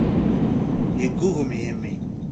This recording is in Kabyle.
Yeggugem yimi.